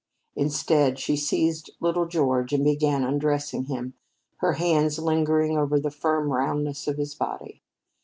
Instead, she seized little George and began undressing him, her hands lingering over the firm roundness of his body.